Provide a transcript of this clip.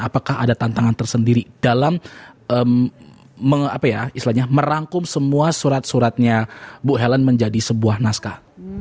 apakah ada tantangan tersendiri dalam merangkum semua surat suratnya bu helen menjadi sebuah naskah